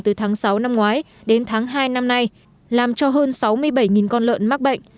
từ tháng sáu năm ngoái đến tháng hai năm nay làm cho hơn sáu mươi bảy con lợn mắc bệnh